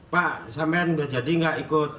pak saman berjadi nggak ikut